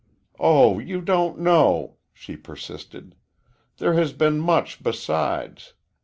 "Oh, you don't know!" she persisted. "There has been much besides.